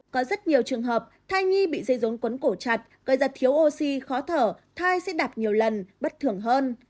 có rất nhiều trường hợp thai nhi bị dây rốn quấn cổ chặt gây ra thiếu oxy khó thở thai sẽ đạp nhiều lần bất thường hơn